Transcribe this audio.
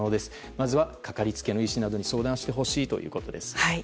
まずはかかりつけの医師などに相談してほしいということです。